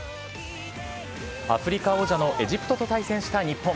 アフリカ王者のエジプトと対戦した日本。